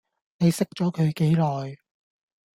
你識咗佢幾耐